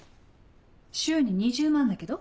週に２０万だけど。